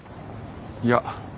いや。